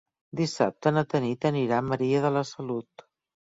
Dissabte na Tanit anirà a Maria de la Salut.